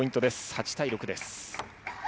８対６です。